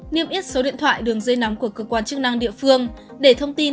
niêm yết số điện thoại đường dây nóng của cơ quan chức năng địa phương để thông tin